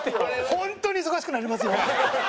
ホントに忙しくなりますよ。